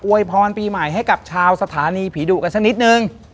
อวยพรปาปีใหม่ให้กับชาวสถานย์ผีดู่กันซะนิดนึง